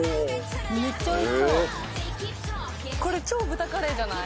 めっちゃおいしそうこれ超ブタカレーじゃない？